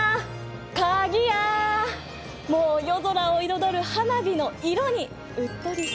もう夜空を彩る花火の色にうっとりしちゃう。